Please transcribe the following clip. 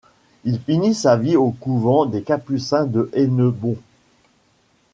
Il finit sa vie au couvent des capucins de Hennebont.